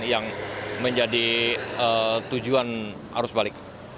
yang menjadi tujuan arus balik